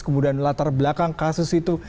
kemudian latar belakang kasus itu